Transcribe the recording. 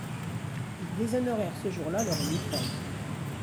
Ils déshonorèrent ce jour-là leur uniforme.